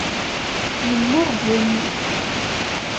Yemmuɣben.